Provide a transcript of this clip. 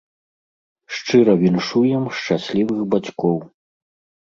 Шчыра віншуем шчаслівых бацькоў!